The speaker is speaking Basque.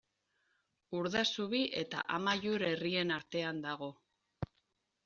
Urdazubi eta Amaiur herrien artean dago.